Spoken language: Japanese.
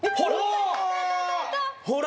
ほら！